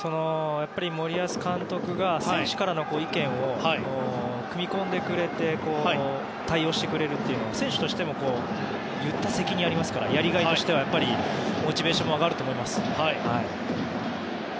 森保監督が選手からの意見を組み込んでくれて対応してくれるというのは選手としても言った責任がありますからやりがいとしてはモチベーションも上がると思います。